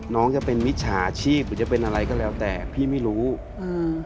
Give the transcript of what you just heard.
น้องจะเป็นมิจฉาชีพหรือจะเป็นอะไรก็แล้วแต่พี่ไม่รู้อืม